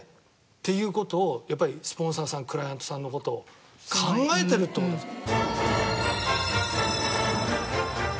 やっぱりスポンサーさんクライアントさんの事を考えてるって事ですよ！